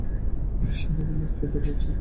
সে ব্যাঙের মত শব্দ করছে।